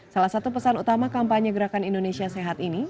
salah satu pesan utama kampanye gerakan indonesia sehat ini